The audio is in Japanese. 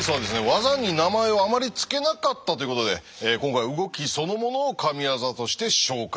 技に名前をあまり付けなかったということで今回は動きそのものをＫＡＭＩＷＡＺＡとして紹介いたしました。